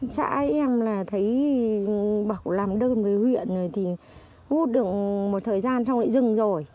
xã em là thấy bảo làm đơn với huyện rồi thì hút được một thời gian xong lại dừng rồi